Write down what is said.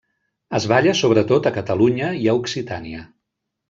Es balla sobretot a Catalunya i a Occitània.